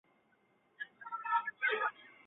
鲍戈德。